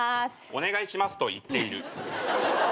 お願いしますと言っている。